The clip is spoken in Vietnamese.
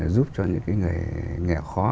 giúp cho những cái nghèo khó